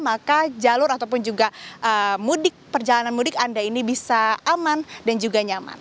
maka jalur ataupun juga mudik perjalanan mudik anda ini bisa aman dan juga nyaman